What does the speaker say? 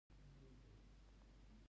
ننګيال د افغانستان يو تکړه مبصر ده.